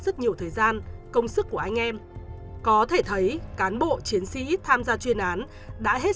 rất nhiều thời gian công sức của anh em có thể thấy cán bộ chiến sĩ tham gia chuyên án đã hết